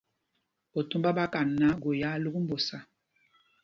Otombá ɓa kan náǎ, gō yaa lúk mbosa.